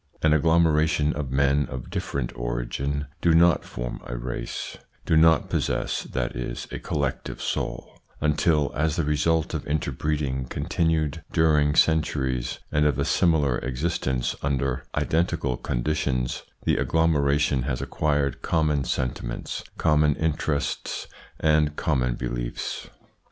An agglomeration of men of different origin do not form a race, do not possess, that is, a collective soul, until, as the result of interbreeding continued during centuries, and of a similar existence under identical conditions, the agglomeration has acquired common sentiments, common interests, and common beliefs.